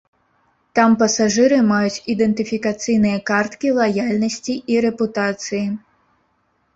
Там пасажыры маюць ідэнтыфікацыйныя карткі лаяльнасці і рэпутацыі.